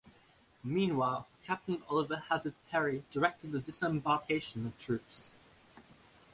Meanwhile, Captain Oliver Hazard Perry directed the disembarkation of troops.